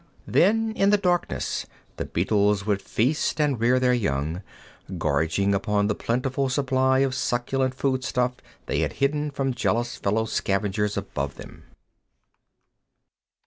Then in the darkness the beetles would feast and rear their young, gorging upon the plentiful supply of succulent foodstuff they had hidden from jealous fellow scavengers above them.